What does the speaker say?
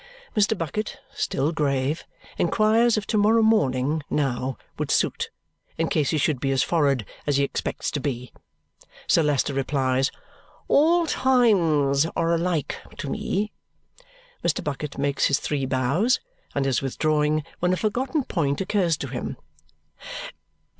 Mr. Bucket (still grave) inquires if to morrow morning, now, would suit, in case he should be as for'ard as he expects to be. Sir Leicester replies, "All times are alike to me." Mr. Bucket makes his three bows and is withdrawing when a forgotten point occurs to him.